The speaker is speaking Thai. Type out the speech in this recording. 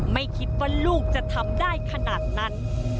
ไม่คิดว่าลูกจะทำได้ขนาดนั้น